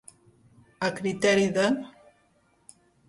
A criteri de.